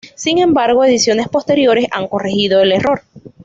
Sin embargo ediciones posteriores, han corregido el error.